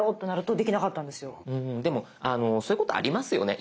でもそういうことありますよね。